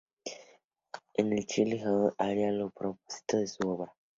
En Chile, Jaime Eyzaguirre haría lo propio en su obra.